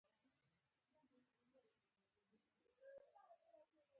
• د واورې باران ځینې وخت نرم او ځینې سخت وي.